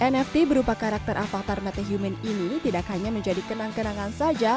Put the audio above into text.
nft berupa karakter avatar metehumin ini tidak hanya menjadi kenang kenangan saja